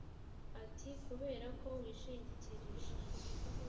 ati kubera ko wishingikirije